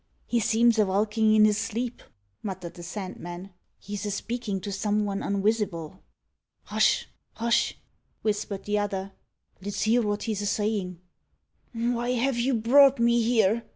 "He seems a valkin' in his sleep," muttered the Sandman. "He's a speakin' to some von unwisible." "Hush hush!" whispered the other. "Let's hear wot he's a sayin'." "Why have you brought me here?"